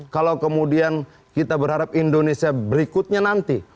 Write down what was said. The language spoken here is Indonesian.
kalau kemudian kita berharap indonesia berikutnya nanti